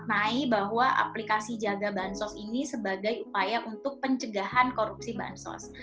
jadi kita patut memaknai bahwa aplikasi jaga bansos ini sebagai upaya untuk pencegahan korupsi bansos